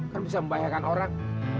kan bisa membayangkan orang